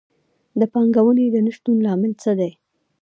د پانګونې د نه شتون لامل څه دی؟